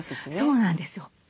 そうなんですよ。